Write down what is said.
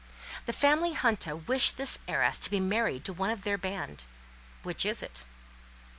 The family junta wish this heiress to be married to one of their band—which is it?